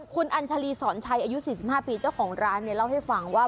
คุณอัญชาลีสอนชัยอายุ๔๕ปีเจ้าของร้านเนี่ยเล่าให้ฟังว่า